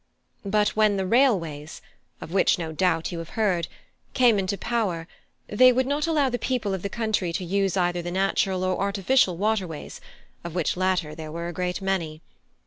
But when the railways of which no doubt you have heard came into power, they would not allow the people of the country to use either the natural or artificial waterways, of which latter there were a great many.